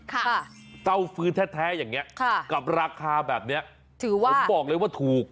เต้าฟื้นแท้แท้อย่างเงี้ยค่ะกับราคาแบบเนี้ยถือว่าผมบอกเลยว่าถูก